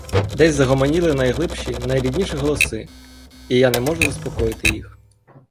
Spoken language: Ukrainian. Десь загомоніли найглибші, найрідніші голоси, і я не можу заспокоїти їх.